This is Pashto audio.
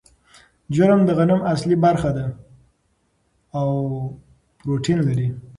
جرم د غنم اصلي برخه ده او پروټین لري.